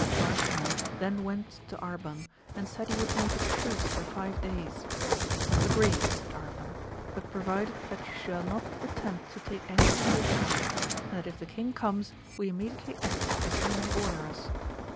Barsinan then went to Arban, and said he would make a truce for five days. Agreed, said Arban, but provided that you shall not attempt to take anything in the town ; and that if the king comes, we immediately act as he may order us.